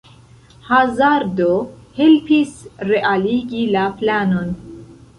Hazardo helpis realigi la planon.